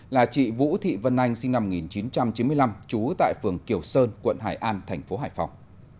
là chị vũ thị vân anh sinh năm một nghìn chín trăm chín mươi năm trú tại phường kiều sơn quận hải an thành phố hải phòng